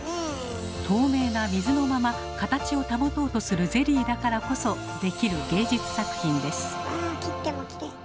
透明な水のまま形を保とうとするゼリーだからこそできる芸術作品です。